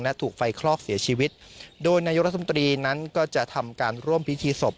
และถูกไฟคลอกเสียชีวิตโดยนายกรัฐมนตรีนั้นก็จะทำการร่วมพิธีศพ